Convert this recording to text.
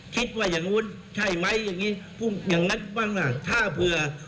คิดว่าอย่างนู้นใช่ไหมอย่างนั้นบ้างล่ะถ้าเผื่อ